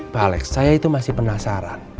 pak alex saya itu masih penasaran